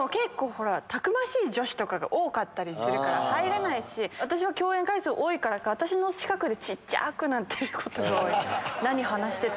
たくましい女子とかが多かったりするから入れないし私は共演回数多いからか私の近くで小っちゃくなってる。